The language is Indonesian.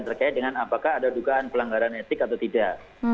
terkait dengan apakah ada dugaan pelanggaran etik atau tidak